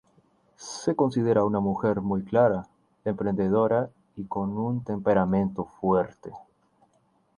Se considera una mujer muy clara, emprendedora y con un temperamento fuerte.